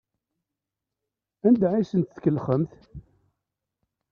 Anda ay asen-tkellxemt?